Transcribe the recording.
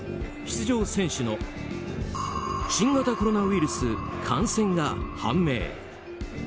出場選手の新型コロナウイルス感染が判明。